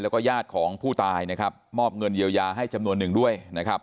แล้วก็ญาติของผู้ตายนะครับมอบเงินเยียวยาให้จำนวนหนึ่งด้วยนะครับ